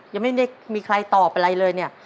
ยังไม่ได้มีใครตอบอะไรเลยเนี่ย